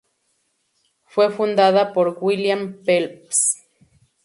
Fue fundada por William H. Phelps Jr.